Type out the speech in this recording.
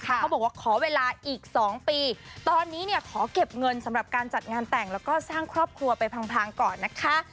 เขาบอกว่าขอเวลาอีก๒ปีตอนนี้เนี่ยขอเก็บเงินสำหรับการจัดงานแต่งแล้วก็สร้างครอบครัวไปพังก่อนนะคะ